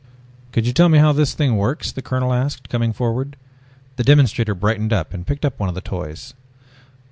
"Could you tell me how this thing works?" the colonel asked, coming forward. The demonstrator brightened up and picked up one of the toys.